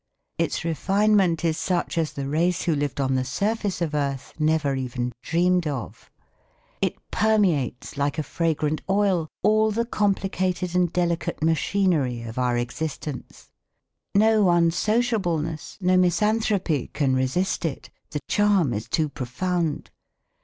Its refinement is such as the race who lived on the surface of earth never even dreamed of. It permeates like a fragrant oil all the complicated and delicate machinery of our existence. No unsociableness, no misanthropy can resist it. The charm is too profound.